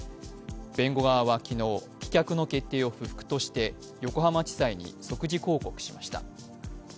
弁護側は昨日、棄却の決定を不服として横浜地裁に即時抗告しました。